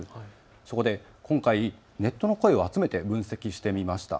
そこで今回、ネットの声を集めて分析してみました。